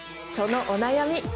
そのお悩み